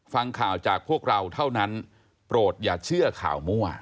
ฟังข่าวจากพวกเราเท่านั้นโปรดอย่าเชื่อข่าวมั่ว